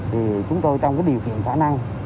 thì chúng tôi trong điều kiện khả năng